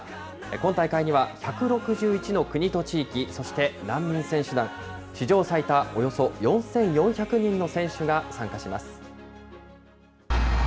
今大会には１６１の国と地域、そして難民選手団、史上最多およそ４４００人の選手が参加します。